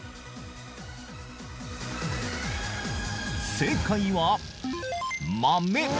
正解は、豆。